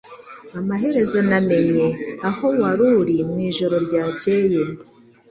Amaherezo namenye aho wari uri mwijoro ryakeye